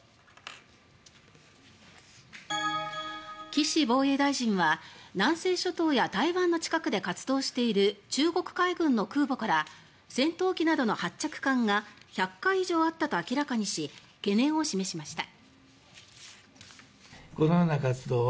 岸防衛大臣は南西諸島や台湾の近くで活動している中国海軍の空母から戦闘機などの発着艦が１００回以上あったと明らかにし懸念を示しました。